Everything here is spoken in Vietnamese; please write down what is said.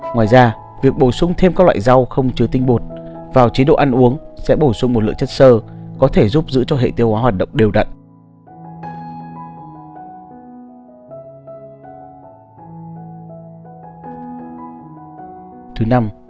ngoài ra việc bổ sung thêm các loại rau không chứa tinh bột vào chế độ ăn uống sẽ bổ sung một lượng chất sơ có thể giúp giữ cho hệ tiêu hóa hoạt động đều đặn